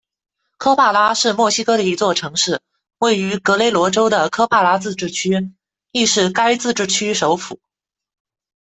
科帕拉是墨西哥的一座城市，位于格雷罗州的科帕拉自治区，亦是该自治区首府。